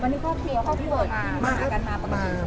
วันนี้พ่อเคลียร์พ่อเบิร์ดมากันมาปกติ